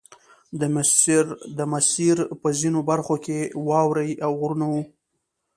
د مسیر په ځینو برخو کې واورې او غرونه وو